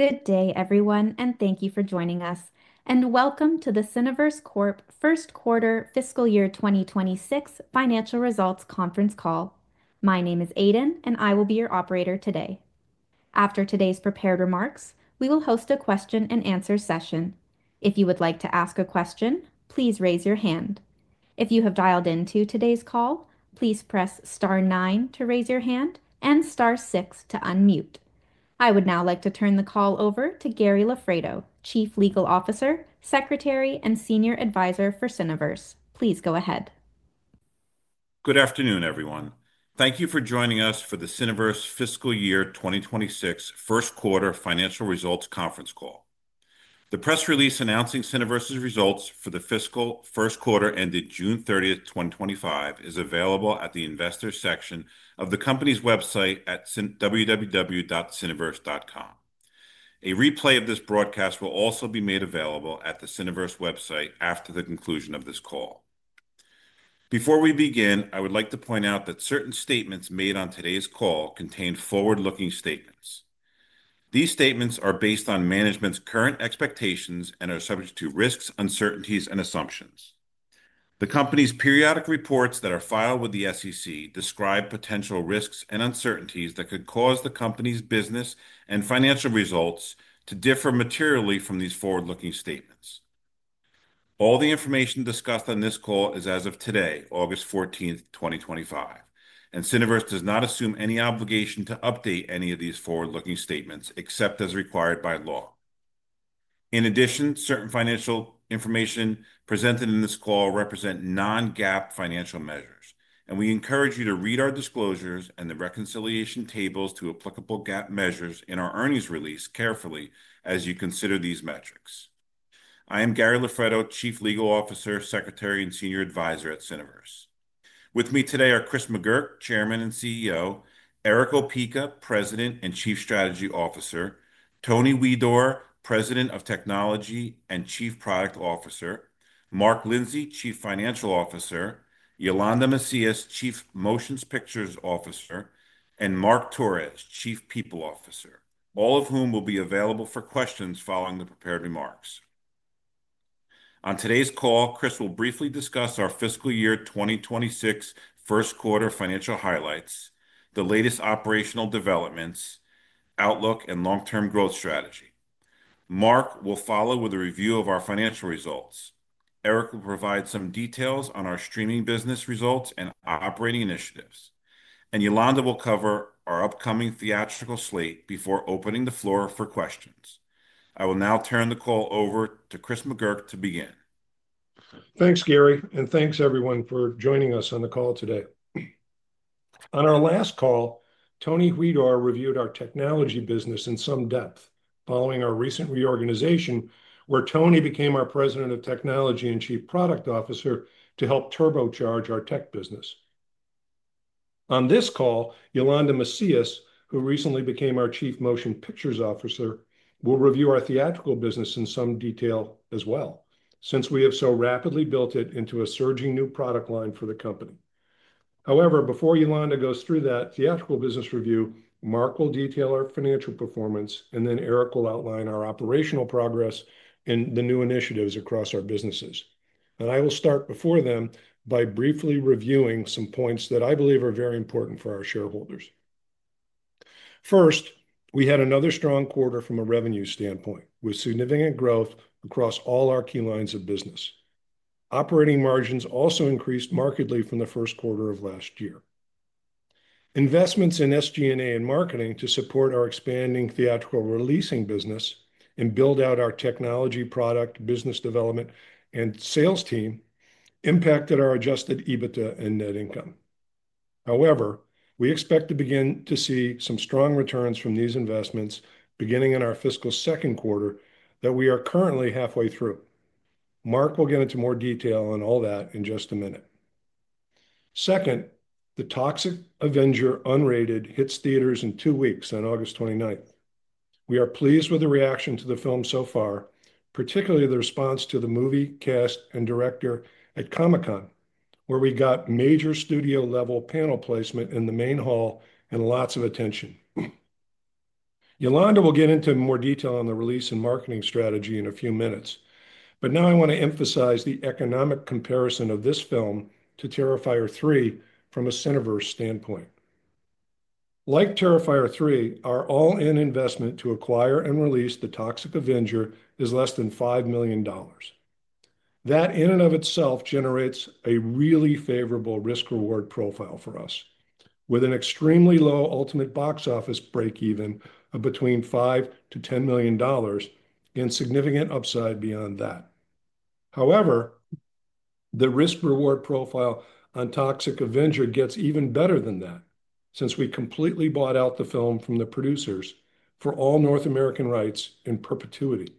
Good day, everyone, and thank you for joining us, and welcome to the Cineverse Corp first quarter fiscal year 2026 financial results conference call. My name is Aidan, and I will be your operator today. After today's prepared remarks, we will host a question and answer session. If you would like to ask a question, please raise your hand. If you have dialed in to today's call, please press star 9 to raise your hand and star 6 to unmute. I would now like to turn the call over to Gary Loffredo, Chief Legal Officer, Secretary, and Senior Advisor for Cineverse. Please go ahead. Good afternoon, everyone. Thank you for joining us for the Cineverse fiscal year 2026 first quarter financial results conference call. The press release announcing Cineverse's results for the fiscal first quarter ended June 30, 2025, is available at the investors' section of the company's website at www.cineverse.com. A replay of this broadcast will also be made available at the Cineverse website after the conclusion of this call. Before we begin, I would like to point out that certain statements made on today's call contain forward-looking statements. These statements are based on management's current expectations and are subject to risks, uncertainties, and assumptions. The company's periodic reports that are filed with the SEC describe potential risks and uncertainties that could cause the company's business and financial results to differ materially from these forward-looking statements. All the information discussed on this call is as of today, August 14, 2025, and Cineverse does not assume any obligation to update any of these forward-looking statements except as required by law. In addition, certain financial information presented in this call represents non-GAAP financial measures, and we encourage you to read our disclosures and the reconciliation tables to applicable GAAP measures in our earnings release carefully as you consider these metrics. I am Gary Loffredo, Chief Legal Officer, Secretary, and Senior Advisor at Cineverse. With me today are Chris McGurk, Chairman and CEO; Erick Opeka, President and Chief Strategy Officer; Tony Huidor, President of Technology and Chief Product Officer; Mark Lindsey, Chief Financial Officer; Yolanda Macias, Chief Motion Pictures Officer; and Mark Torres, Chief People Officer, all of whom will be available for questions following the prepared remarks. On today's call, Chris will briefly discuss our fiscal year 2026 first quarter financial highlights, the latest operational developments, outlook, and long-term growth strategy. Mark will follow with a review of our financial results. Erick will provide some details on our streaming business results and operating initiatives. Yolanda will cover our upcoming theatrical slate before opening the floor for questions. I will now turn the call over to Chris McGurk to begin. Thanks, Gary, and thanks everyone for joining us on the call today. On our last call, Tony Huidor reviewed our technology business in some depth following our recent reorganization, where Tony became our President of Technology and Chief Product Officer to help turbocharge our tech business. On this call, Yolanda Macias, who recently became our Chief Motion Pictures Officer, will review our theatrical business in some detail as well, since we have so rapidly built it into a surging new product line for the company. However, before Yolanda goes through that theatrical business review, Mark will detail our financial performance, then Erick will outline our operational progress and the new initiatives across our businesses. I will start before them by briefly reviewing some points that I believe are very important for our shareholders. First, we had another strong quarter from a revenue standpoint, with significant growth across all our key lines of business. Operating margins also increased markedly from the first quarter of last year. Investments in SG&A and marketing to support our expanding theatrical releasing business and build out our technology product business development and sales team impacted our adjusted EBITDA and net income. However, we expect to begin to see some strong returns from these investments beginning in our fiscal second quarter that we are currently halfway through. Mark will get into more detail on all that in just a minute. Second, The Toxic Avenger: Unrated hits theaters in two weeks, on August 29. We are pleased with the reaction to the film so far, particularly the response to the movie, cast, and director at Comic-Con, where we got major studio-level panel placement in the main hall and lots of attention. Yolanda will get into more detail on the release and marketing strategy in a few minutes. I want to emphasize the economic comparison of this film to Terrifier 3 from a Cineverse standpoint. Like Terrifier 3, our all-in investment to acquire and release The Toxic Avenger is less than $5 million. That in and of itself generates a really favorable risk-reward profile for us, with an extremely low ultimate box office break-even of between $5 million-$10 million and significant upside beyond that. The risk-reward profile on The Toxic Avenger gets even better than that, since we completely bought out the film from the producers for all North American rights in perpetuity.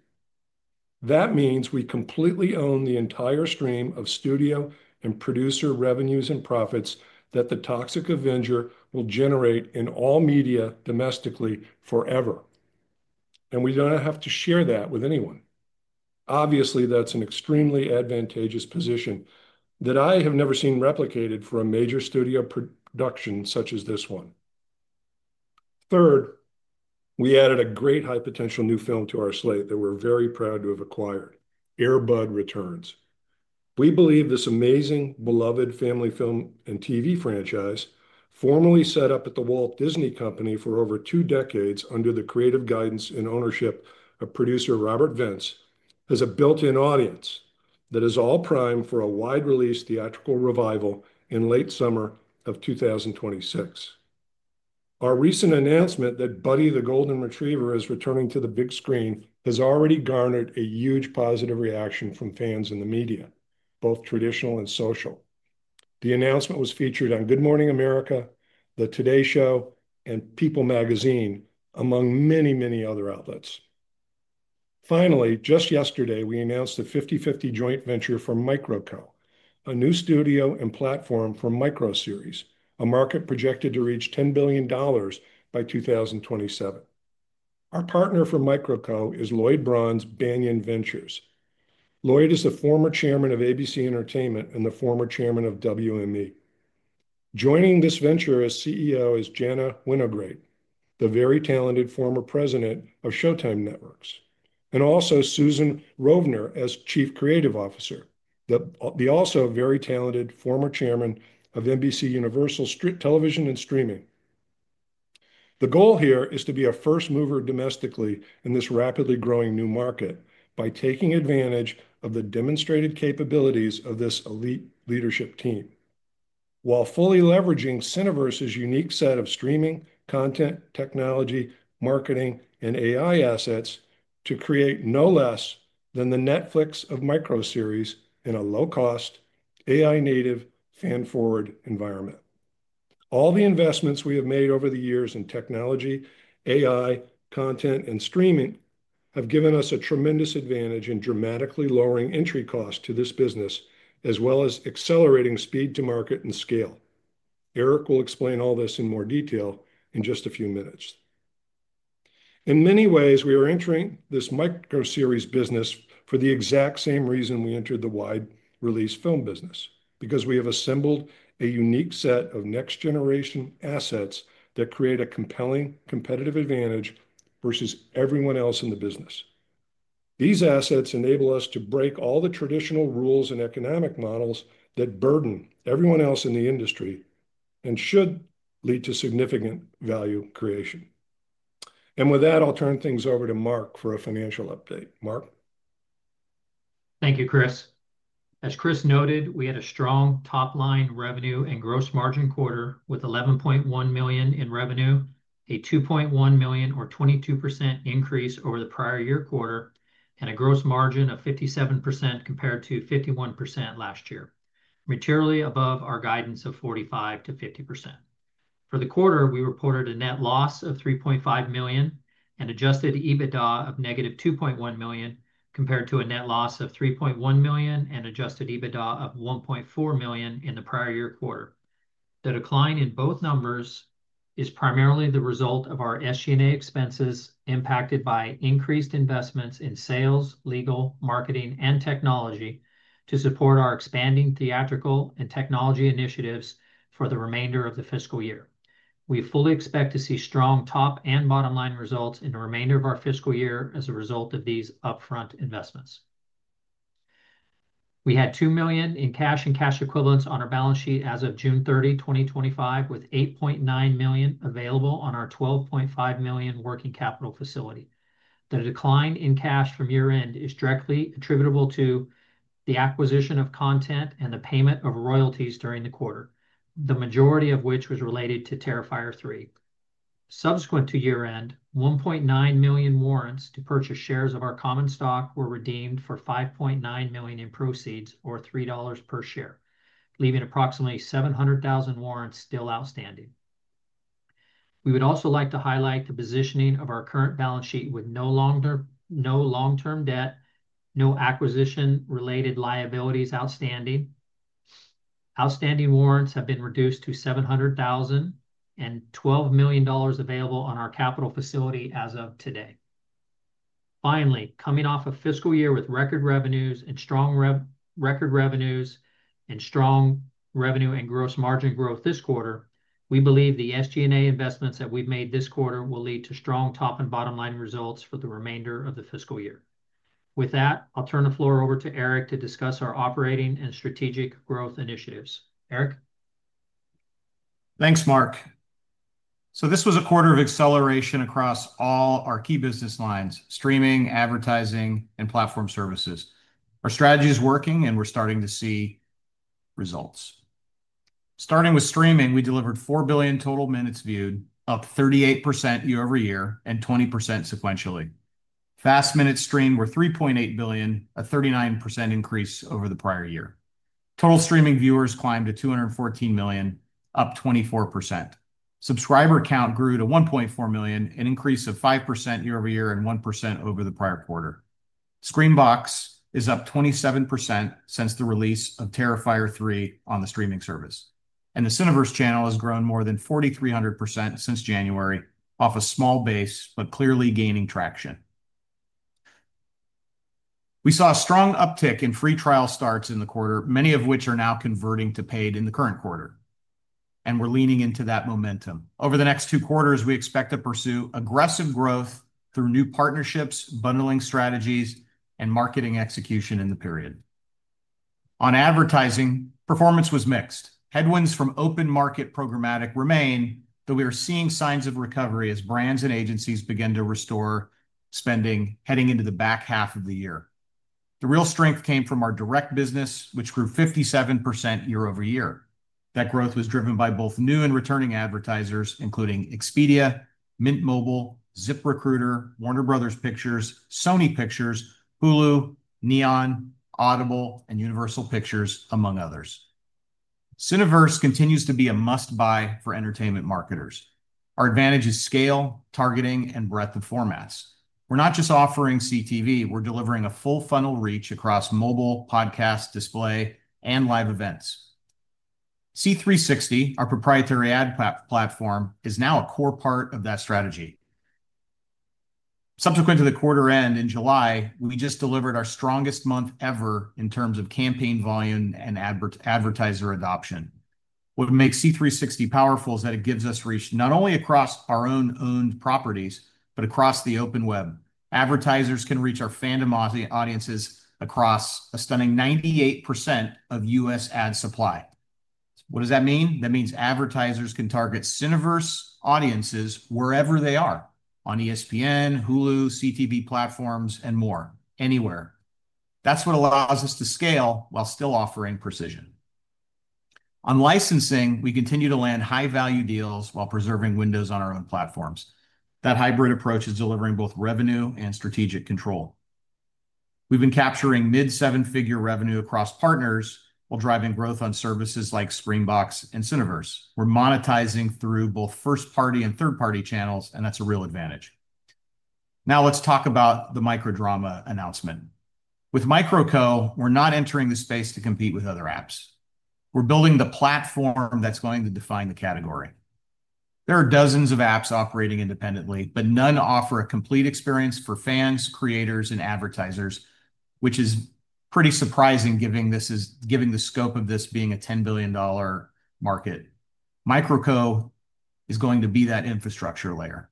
That means we completely own the entire stream of studio and producer revenues and profits that The Toxic Avenger will generate in all media domestically forever. We don't have to share that with anyone. Obviously, that's an extremely advantageous position that I have never seen replicated for a major studio production such as this one. Third, we added a great high-potential new film to our slate that we're very proud to have acquired: Air Bud Returns. We believe this amazing, beloved family film and TV franchise, formerly set up at The Walt Disney Company for over two decades under the creative guidance and ownership of producer Robert Vance, has a built-in audience that is all primed for a wide-release theatrical revival in late summer of 2026. Our recent announcement that Buddy, the Golden Retriever, is returning to the big screen has already garnered a huge positive reaction from fans in the media, both traditional and social. The announcement was featured on Good Morning America, The Today Show, and People Magazine, among many, many other outlets. Finally, just yesterday, we announced the 50/50 joint venture for MicroCo, a new studio and platform for MicroSeries, a market projected to reach $10 billion by 2027. Our partner for MicroCo is Lloyd Braun's Banyan Ventures. Lloyd is the former Chairman of ABC Entertainment and the former Chairman of WME. Joining this venture as CEO is Jana Winograd, the very talented former President of Showtime Networks, and also Susan Rovner as Chief Creative Officer, the also very talented former Chairman of NBCUniversal's television and streaming. The goal here is to be a first mover domestically in this rapidly growing new market by taking advantage of the demonstrated capabilities of this elite leadership team, while fully leveraging Cineverse's unique set of streaming, content, technology, marketing, and AI assets to create no less than the Netflix of MicroSeries in a low-cost, AI-native fan-forward environment. All the investments we have made over the years in technology, AI, content, and streaming have given us a tremendous advantage in dramatically lowering entry costs to this business, as well as accelerating speed to market and scale. Erick will explain all this in more detail in just a few minutes. In many ways, we are entering this MicroSeries business for the exact same reason we entered the wide-release film business, because we have assembled a unique set of next-generation assets that create a compelling competitive advantage versus everyone else in the business. These assets enable us to break all the traditional rules and economic models that burden everyone else in the industry and should lead to significant value creation. With that, I'll turn things over to Mark for a financial update. Mark? Thank you, Chris. As Chris noted, we had a strong top-line revenue and gross margin quarter with $11.1 million in revenue, a $2.1 million or 22% increase over the prior year quarter, and a gross margin of 57% compared to 51% last year, materially above our guidance of 45%-50%. For the quarter, we reported a net loss of $3.5 million and adjusted EBITDA of negative $2.1 million compared to a net loss of $3.1 million and adjusted EBITDA of $1.4 million in the prior year quarter. The decline in both numbers is primarily the result of our SG&A expenses impacted by increased investments in sales, legal, marketing, and technology to support our expanding theatrical and technology initiatives for the remainder of the fiscal year. We fully expect to see strong top and bottom line results in the remainder of our fiscal year as a result of these upfront investments. We had $2 million in cash and cash equivalents on our balance sheet as of June 30, 2025, with $8.9 million available on our $12.5 million working capital facility. The decline in cash from year-end is directly attributable to the acquisition of content and the payment of royalties during the quarter, the majority of which was related to Terrifier 3. Subsequent to year-end, $1.9 million warrants to purchase shares of our common stock were redeemed for $5.9 million in proceeds, or $3 per share, leaving approximately $700,000 warrants still outstanding. We would also like to highlight the positioning of our current balance sheet with no long-term debt, no acquisition-related liabilities outstanding. Outstanding warrants have been reduced to $700,000 and $12 million available on our capital facility as of today. Finally, coming off a fiscal year with record revenues and strong record revenues and strong revenue and gross margin growth this quarter, we believe the SG&A investments that we've made this quarter will lead to strong top and bottom line results for the remainder of the fiscal year. With that, I'll turn the floor over to Erick to discuss our operating and strategic growth initiatives. Erick? Thanks, Mark. This was a quarter of acceleration across all our key business lines: streaming, advertising, and platform services. Our strategy is working, and we're starting to see results. Starting with streaming, we delivered 4 billion total minutes viewed, up 38% year-over-year and 20% sequentially. FAST minutes streamed were 3.8 billion, a 39% increase over the prior year. Total streaming viewers climbed to 214 million, up 24%. Subscriber count grew to 1.4 million, an increase of 5% year-over-year and 1% over the prior quarter. Screambox is up 27% since the release of Terrifier 3 on the streaming service. The Cineverse channel has grown more than 4,300% since January, off a small base but clearly gaining traction. We saw a strong uptick in free trial starts in the quarter, many of which are now converting to paid in the current quarter. We're leaning into that momentum. Over the next two quarters, we expect to pursue aggressive growth through new partnerships, bundling strategies, and marketing execution in the period. On advertising, performance was mixed. Headwinds from open market programmatic remain, though we are seeing signs of recovery as brands and agencies begin to restore spending heading into the back half of the year. The real strength came from our direct business, which grew 57% year-over-year. That growth was driven by both new and returning advertisers, including Expedia, Mint Mobile, ZipRecruiter, Warner Bros. Pictures, Sony Pictures, Hulu, Neon, Audible, and Universal Pictures, among others. Cineverse continues to be a must-buy for entertainment marketers. Our advantage is scale, targeting, and breadth of formats. We're not just offering CTV, we're delivering a full-funnel reach across mobile, podcast, display, and live events. C360, our proprietary ad platform, is now a core part of that strategy. Subsequent to the quarter end in July, we just delivered our strongest month ever in terms of campaign volume and advertiser adoption. What makes C360 powerful is that it gives us reach not only across our own owned properties, but across the open web. Advertisers can reach our fandom audiences across a stunning 98% of U.S. ad supply. What does that mean? That means advertisers can target Cineverse audiences wherever they are on ESPN, Hulu, CTV platforms, and more, anywhere. That's what allows us to scale while still offering precision. On licensing, we continue to land high-value deals while preserving windows on our own platforms. That hybrid approach is delivering both revenue and strategic control. We've been capturing mid-seven-figure revenue across partners while driving growth on services like Screambox and Cineverse. We're monetizing through both first-party and third-party channels, and that's a real advantage. Now let's talk about the MicroSeries announcement. With MicroCo, we're not entering the space to compete with other apps. We're building the platform that's going to define the category. There are dozens of apps operating independently, but none offer a complete experience for fans, creators, and advertisers, which is pretty surprising given the scope of this being a $10 billion market. MicroCo is going to be that infrastructure layer.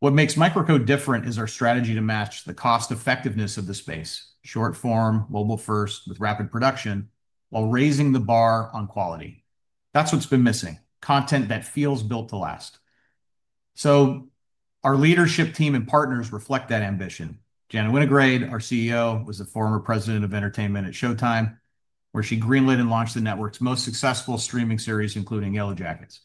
What makes MicroCo different is our strategy to match the cost-effectiveness of the space, short form, mobile-first, with rapid production, while raising the bar on quality. That's what's been missing: content that feels built to last. Our leadership team and partners reflect that ambition. Jana Winograd, our CEO, was the former President of Entertainment at Showtime Networks, where she greenlit and launched the network's most successful streaming series, including Yellowjackets.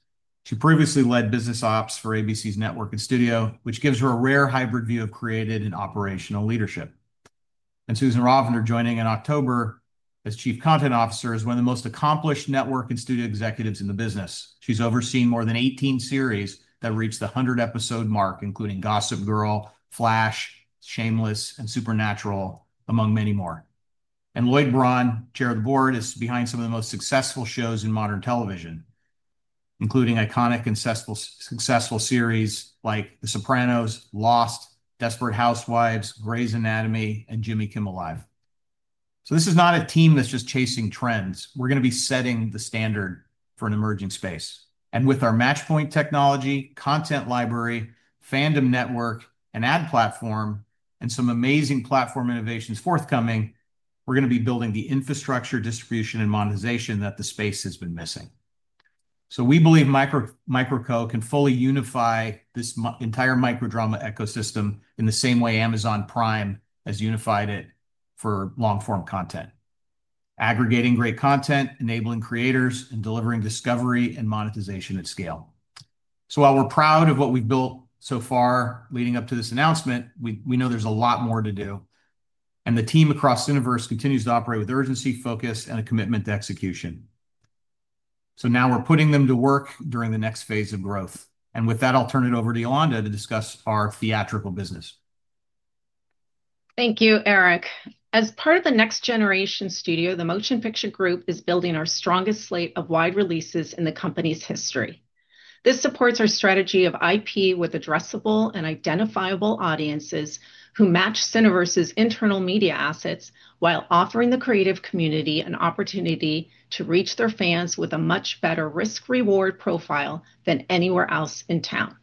She previously led business ops for ABC's network and studio, which gives her a rare hybrid view of creative and operational leadership. Susan Rovner, joining in October as Chief Creative Officer, is one of the most accomplished network and studio executives in the business. She's overseen more than 18 series that reached the 100-episode mark, including Gossip Girl, Flash, Shameless, and Supernatural, among many more. Lloyd Braun, Chair of the Board, is behind some of the most successful shows in modern television, including iconic and successful series like The Sopranos, Lost, Desperate Housewives, Grey's Anatomy, and Jimmy Kimmel Live. This is not a team that's just chasing trends. We're going to be setting the standard for an emerging space. With our Matchpoint technology, content library, fandom network, ad platform, and some amazing platform innovations forthcoming, we're going to be building the infrastructure, distribution, and monetization that the space has been missing. We believe MicroCo can fully unify this entire Microdrama ecosystem in the same way Amazon Prime has unified it for long-form content, aggregating great content, enabling creators, and delivering discovery and monetization at scale. While we're proud of what we've built so far leading up to this announcement, we know there's a lot more to do. The team across Cineverse continues to operate with urgency, focus, and a commitment to execution. Now we're putting them to work during the next phase of growth. With that, I'll turn it over to Yolanda to discuss our theatrical business. Thank you, Erick. As part of the Next Generation Studio, the Motion Picture Group is building our strongest slate of wide releases in the company's history. This supports our strategy of IP with addressable and identifiable audiences who match Cineverse's internal media assets while offering the creative community an opportunity to reach their fans with a much better risk-reward profile than anywhere else in town.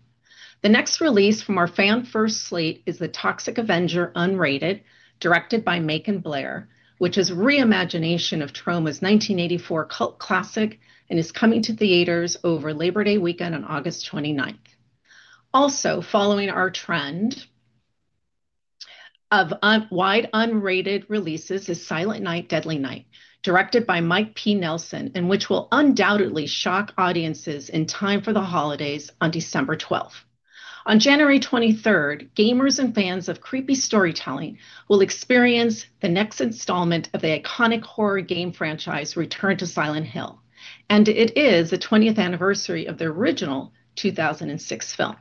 The next release from our fan-first slate is The Toxic Avenger: Unrated, directed by Macon Blair, which is a reimagination of Troma's 1984 cult classic and is coming to theaters over Labor Day weekend on August 29. Also, following our trend of wide unrated releases is Silent Night: Deadly Night, directed by Mike P. Nelson, which will undoubtedly shock audiences in time for the holidays on December 12. On January 23, gamers and fans of creepy storytelling will experience the next installment of the iconic horror game franchise, Return to Silent Hill, and it is the 20th anniversary of the original 2006 film.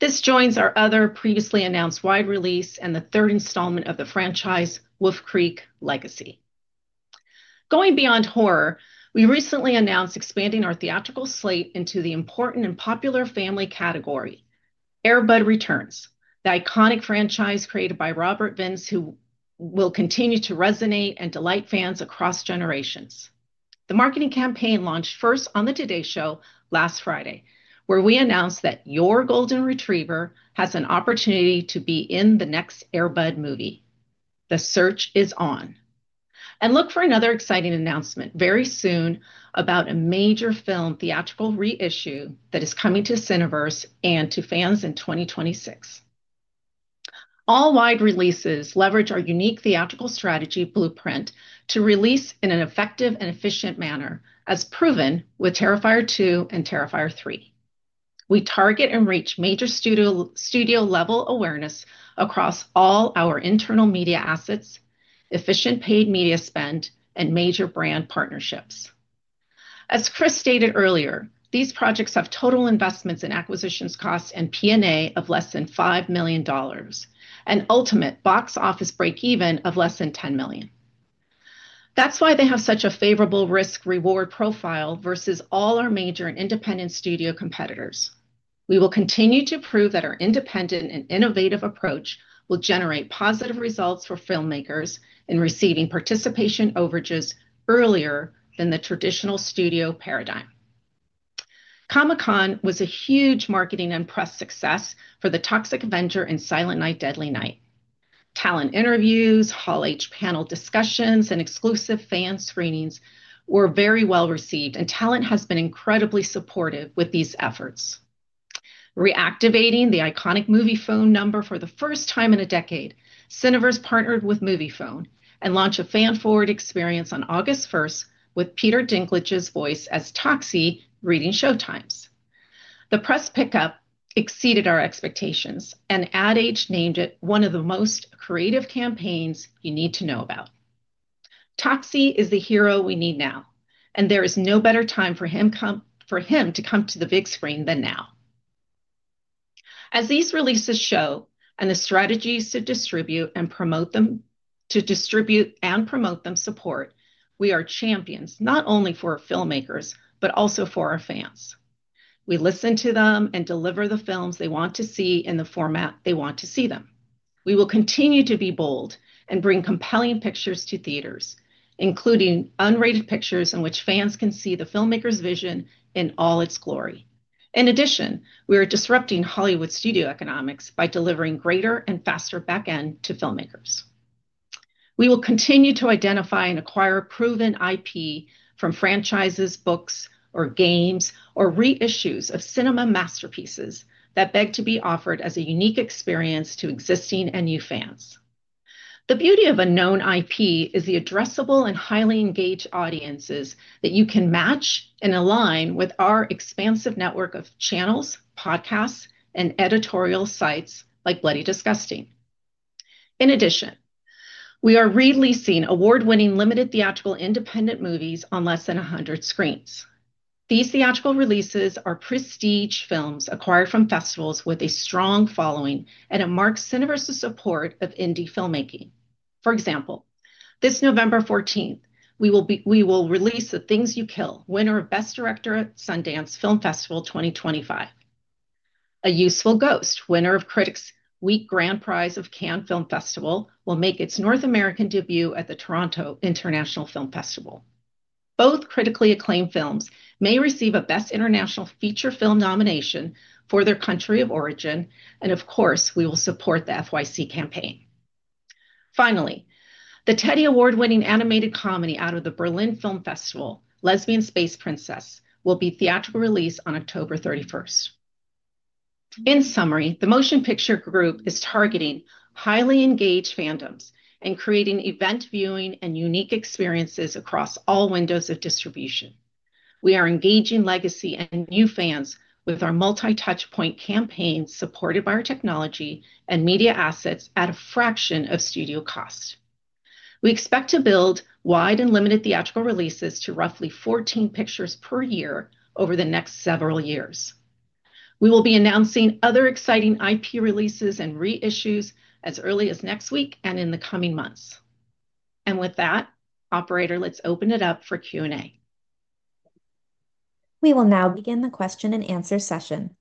This joins our other previously announced wide release and the third installment of the franchise, Wolf Creek Legacy. Going beyond horror, we recently announced expanding our theatrical slate into the important and popular family category, Air Bud Returns, the iconic franchise created by Robert Vance, which will continue to resonate and delight fans across generations. The marketing campaign launched first on the Today Show last Friday, where we announced that your golden retriever has an opportunity to be in the next Air Bud movie. The search is on. Look for another exciting announcement very soon about a major film theatrical reissue that is coming to Cineverse and to fans in 2026. All wide releases leverage our unique theatrical strategy blueprint to release in an effective and efficient manner, as proven with Terrifier 2 and Terrifier 3. We target and reach major studio-level awareness across all our internal media assets, efficient paid media spend, and major brand partnerships. As Chris stated earlier, these projects have total investments and acquisition costs and P&A of less than $5 million and ultimate box office break-even of less than $10 million. That's why they have such a favorable risk-reward profile versus all our major and independent studio competitors. We will continue to prove that our independent and innovative approach will generate positive results for filmmakers in receiving participation overages earlier than the traditional studio paradigm. Comic-Con was a huge marketing and press success for The Toxic Avenger and Silent Night: Deadly Night. Talent interviews, Hall H panel discussions, and exclusive fan screenings were very well received, and talent has been incredibly supportive with these efforts. Reactivating the iconic movie phone number for the first time in a decade, Cineverse partnered with Moviefone and launched a fan-forward experience on August 1 with Peter Dinklage's voice as Toxie reading showtimes. The press pickup exceeded our expectations, and AdAge named it one of the most creative campaigns you need to know about. Toxie is the hero we need now, and there is no better time for him to come to the big screen than now. As these releases show and the strategies to distribute and promote them support, we are champions not only for our filmmakers but also for our fans. We listen to them and deliver the films they want to see in the format they want to see them. We will continue to be bold and bring compelling pictures to theaters, including unrated pictures in which fans can see the filmmaker's vision in all its glory. In addition, we are disrupting Hollywood studio economics by delivering greater and faster back end to filmmakers. We will continue to identify and acquire proven IP from franchises, books, or games, or reissues of cinema masterpieces that beg to be offered as a unique experience to existing and new fans. The beauty of a known IP is the addressable and highly engaged audiences that you can match and align with our expansive network of channels, podcasts, and editorial sites like Bloody Disgusting. In addition, we are releasing award-winning limited theatrical independent movies on less than 100 screens. These theatrical releases are prestige films acquired from festivals with a strong following, and it marks Cineverse's support of indie filmmaking. For example, this November 14, we will release The Things You Kill, winner of Best Director at Sundance Film Festival 2025. A Useful Ghost, winner of Critics' Week Grand Prize of Cannes Film Festival, will make its North American debut at the Toronto International Film Festival. Both critically acclaimed films may receive a Best International Feature Film nomination for their country of origin, and of course, we will support the FYC campaign. Finally, the Teddy Award-winning animated comedy out of the Berlin Film Festival, Lesbian Space Princess, will be theatrical release on October 31. In summary, the Motion Picture Group is targeting highly engaged fandoms and creating event viewing and unique experiences across all windows of distribution. We are engaging legacy and new fans with our multi-touchpoint campaign supported by our technology and media assets at a fraction of studio cost. We expect to build wide and limited theatrical releases to roughly 14 pictures per year over the next several years. We will be announcing other exciting IP releases and reissues as early as next week and in the coming months. With that, operator, let's open it up for Q&A. We will now begin the question and answer session.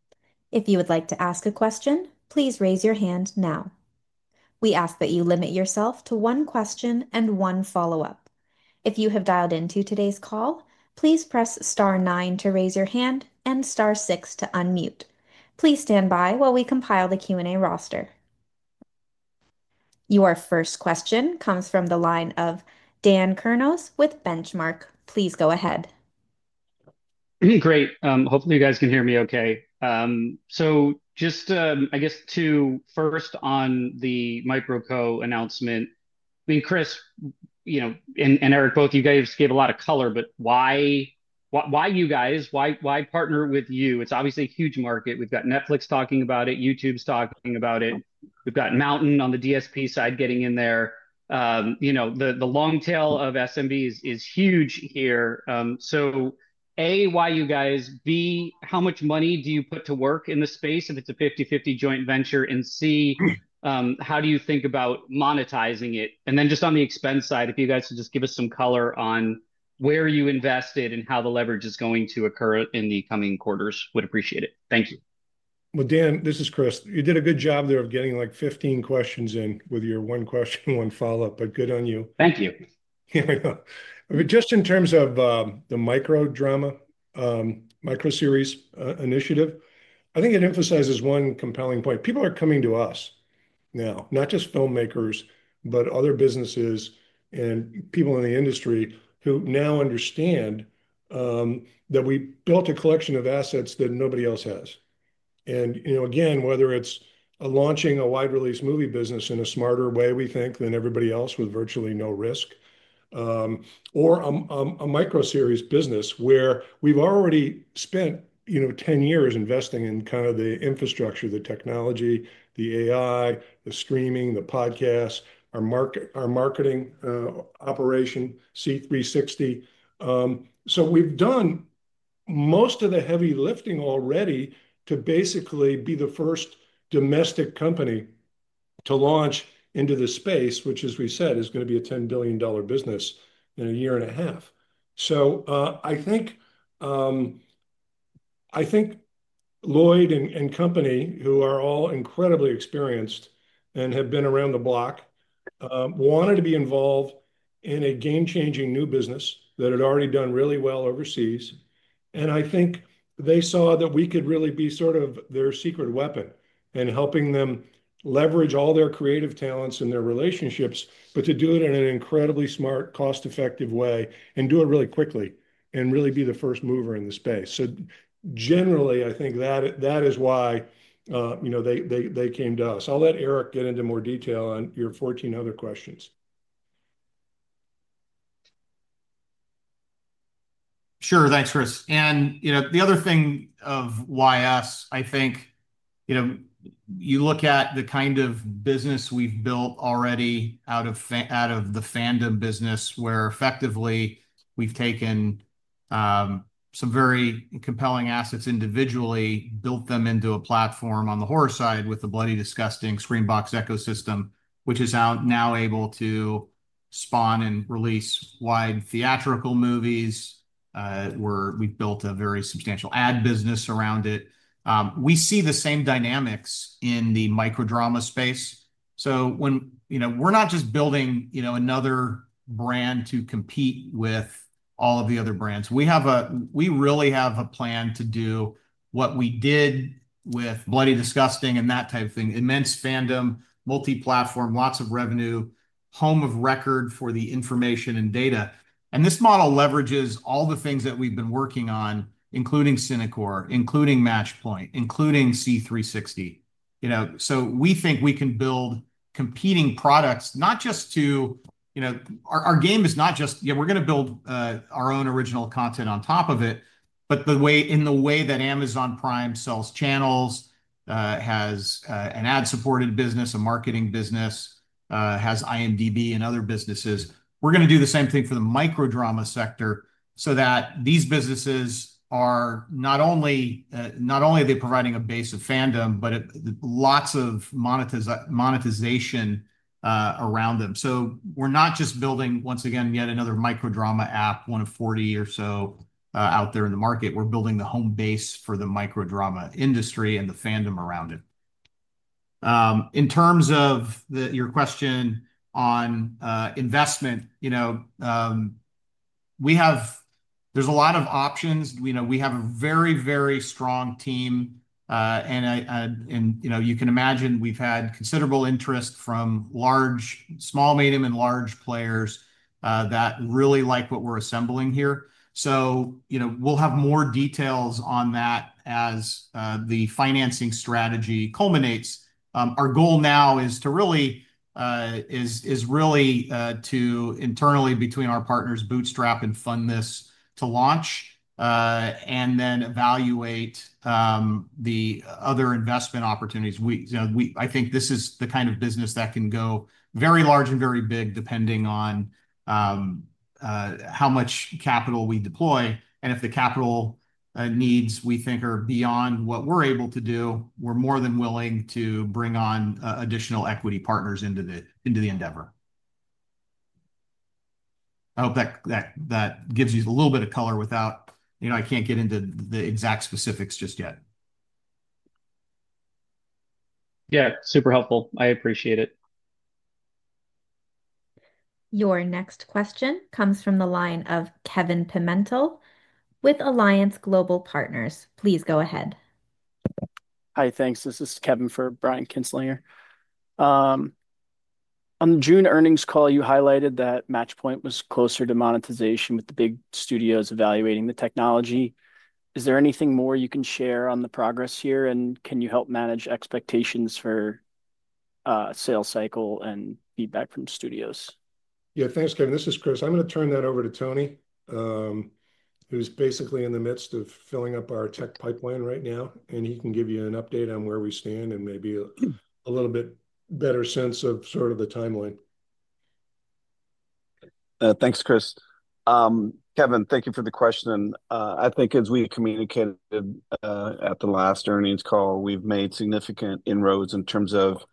If you would like to ask a question, please raise your hand now. We ask that you limit yourself to one question and one follow-up. If you have dialed into today's call, please press star 9 to raise your hand and star 6 to unmute. Please stand by while we compile the Q&A roster. Your first question comes from the line of Daniel Louis Kurnos with Benchmark. Please go ahead. Great. Hopefully, you guys can hear me OK. Just, I guess, to first on the MicroCo announcement, Chris, you know, and Erick, both of you guys gave a lot of color, but why you guys? Why partner with you? It's obviously a huge market. We've got Netflix talking about it. YouTube's talking about it. We've got Mountain on the DSP side getting in there. The long tail of SMBs is huge here. A, why you guys? B, how much money do you put to work in the space if it's a 50/50 joint venture? C, how do you think about monetizing it? On the expense side, if you guys would just give us some color on where you invested and how the leverage is going to occur in the coming quarters, would appreciate it. Thank you. Dan, this is Chris. You did a good job there of getting like 15 questions in with your one question, one follow-up, but good on you. Thank you. Yeah, I know. In terms of the MicroSeries initiative, I think it emphasizes one compelling point. People are coming to us now, not just filmmakers, but other businesses and people in the industry who now understand that we built a collection of assets that nobody else has. Whether it's launching a wide-release movie business in a smarter way, we think, than everybody else with virtually no risk, or a MicroSeries business where we've already spent, you know, 10 years investing in kind of the infrastructure, the technology, the AI, the streaming, the podcasts, our marketing operation, C360. We've done most of the heavy lifting already to basically be the first domestic company to launch into the space, which, as we said, is going to be a $10 billion business in a year and a half. I think Lloyd and company, who are all incredibly experienced and have been around the block, wanted to be involved in a game-changing new business that had already done really well overseas. I think they saw that we could really be sort of their secret weapon in helping them leverage all their creative talents and their relationships, but to do it in an incredibly smart, cost-effective way and do it really quickly and really be the first mover in the space. Generally, I think that is why they came to us. I'll let Erick get into more detail on your 14 other questions. Sure. Thanks, Chris. The other thing of why us, I think, you look at the kind of business we've built already out of the fandom business, where effectively we've taken some very compelling assets individually, built them into a platform on the horror side with the Bloody Disgusting Screambox ecosystem, which is now able to spawn and release wide theatrical movies. We've built a very substantial ad business around it. We see the same dynamics in the MicroSeries space. We're not just building another brand to compete with all of the other brands. We really have a plan to do what we did with Bloody Disgusting and that type of thing: immense fandom, multi-platform, lots of revenue, home of record for the information and data. This model leverages all the things that we've been working on, including cineSearch, including Matchpoint, including C360. We think we can build competing products, not just to, our game is not just, yeah, we're going to build our own original content on top of it, but the way that Amazon Prime sells channels, has an ad-supported business, a marketing business, has IMDb and other businesses, we're going to do the same thing for the MicroSeries sector so that these businesses are not only providing a base of fandom, but lots of monetization around them. We're not just building, once again, yet another MicroSeries app, one of 40 or so out there in the market. We're building the home base for the MicroSeries industry and the fandom around it. In terms of your question on investment, we have, there's a lot of options. We have a very, very strong team. You can imagine we've had considerable interest from large, small, medium, and large players that really like what we're assembling here. We'll have more details on that as the financing strategy culminates. Our goal now is really to internally, between our partners, bootstrap and fund this to launch and then evaluate the other investment opportunities. I think this is the kind of business that can go very large and very big depending on how much capital we deploy. If the capital needs, we think, are beyond what we're able to do, we're more than willing to bring on additional equity partners into the endeavor. I hope that gives you a little bit of color without, I can't get into the exact specifics just yet. Yeah, super helpful. I appreciate it. Your next question comes from the line of Kevin Pimentel with Alliance Global Partners. Please go ahead. Hi, thanks. This is Kevin for Brian David Kinstlinger. On the June earnings call, you highlighted that Matchpoint was closer to monetization with the big studios evaluating the technology. Is there anything more you can share on the progress here, and can you help manage expectations for sales cycle and feedback from studios? Yeah, thanks, Kevin. This is Chris. I'm going to turn that over to Tony, who's basically in the midst of filling up our tech pipeline right now, and he can give you an update on where we stand and maybe a little bit better sense of sort of the timeline. Thanks, Chris. Kevin, thank you for the question. I think as we communicated at the last earnings call, we've made significant inroads in terms of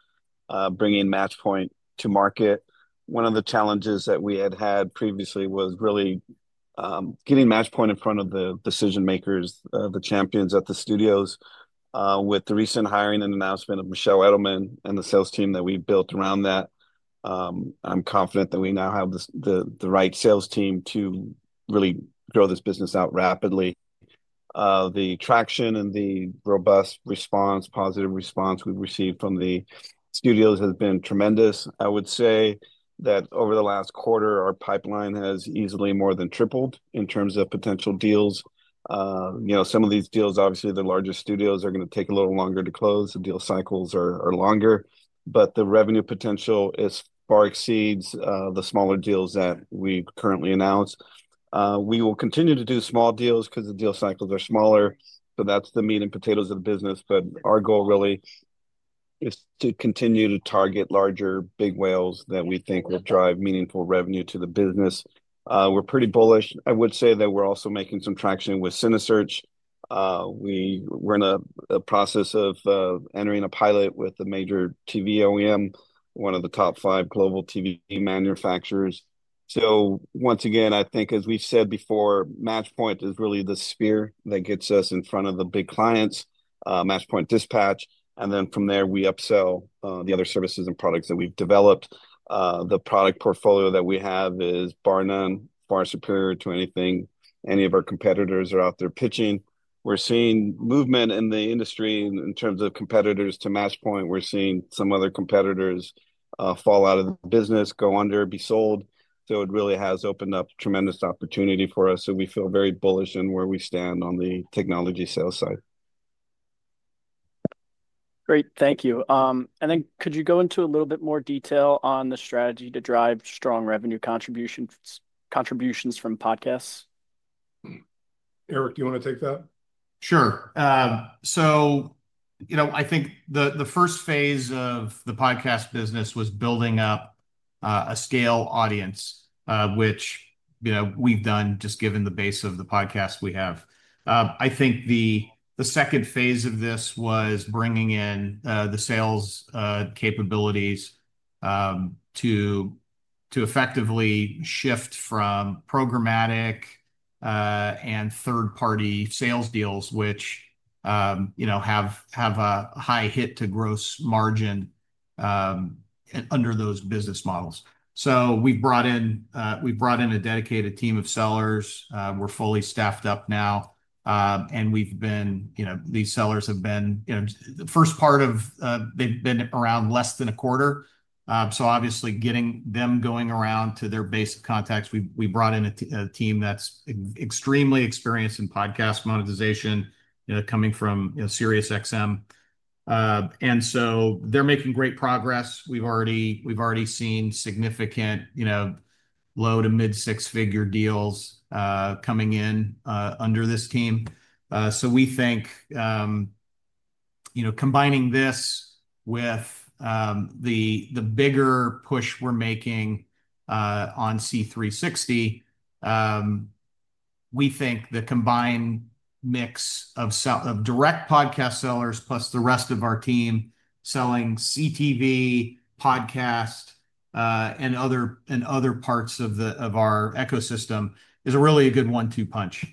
bringing Matchpoint to market. One of the challenges that we had had previously was really getting Matchpoint in front of the decision makers, the champions at the studios. With the recent hiring and announcement of Michelle Edelman and the sales team that we built around that, I'm confident that we now have the right sales team to really grow this business out rapidly. The traction and the robust response, positive response we've received from the studios has been tremendous. I would say that over the last quarter, our pipeline has easily more than tripled in terms of potential deals. Some of these deals, obviously, the larger studios are going to take a little longer to close. The deal cycles are longer, but the revenue potential far exceeds the smaller deals that we currently announce. We will continue to do small deals because the deal cycles are smaller. That's the meat and potatoes of the business. Our goal really is to continue to target larger big whales that we think will drive meaningful revenue to the business. We're pretty bullish. I would say that we're also making some traction with cineSearch. We're in a process of entering a pilot with a major TV OEM, one of the top five global TV manufacturers. Once again, I think, as we've said before, Matchpoint is really the sphere that gets us in front of the big clients, Matchpoint Dispatch. From there, we upsell the other services and products that we've developed. The product portfolio that we have is bar none, far superior to anything any of our competitors are out there pitching. We're seeing movement in the industry in terms of competitors to Matchpoint. We're seeing some other competitors fall out of the business, go under, be sold. It really has opened up tremendous opportunity for us. We feel very bullish in where we stand on the technology sales side. Great, thank you. Could you go into a little bit more detail on the strategy to drive strong revenue contributions from podcasts? Erick, do you want to take that? Sure. I think the first phase of the podcast business was building up a scale audience, which we've done just given the base of the podcasts we have. I think the second phase of this was bringing in the sales capabilities to effectively shift from programmatic and third-party sales deals, which have a high hit to gross margin under those business models. We brought in a dedicated team of sellers. We're fully staffed up now. These sellers have been around less than a quarter. Obviously, getting them going around to their base contacts, we brought in a team that's extremely experienced in podcast monetization, coming from SiriusXM. They're making great progress. We've already seen significant low to mid-six-figure deals coming in under this team. We think combining this with the bigger push we're making on C360, the combined mix of direct podcast sellers plus the rest of our team selling CTV, podcast, and other parts of our ecosystem is really a good one-two punch.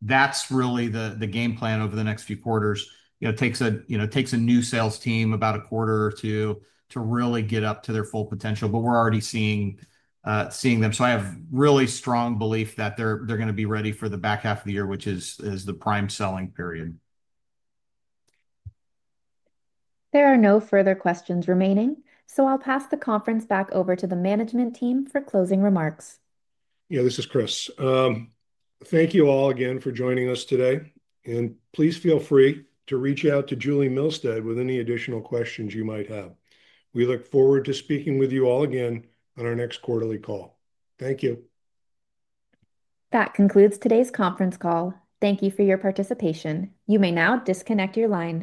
That's really the game plan over the next few quarters. It takes a new sales team about a quarter or two to really get up to their full potential, but we're already seeing them. I have really strong belief that they're going to be ready for the back half of the year, which is the prime selling period. There are no further questions remaining, so I'll pass the conference back over to the management team for closing remarks. Yeah, this is Chris. Thank you all again for joining us today. Please feel free to reach out to Julie Milstead with any additional questions you might have. We look forward to speaking with you all again on our next quarterly call. Thank you. That concludes today's conference call. Thank you for your participation. You may now disconnect your line.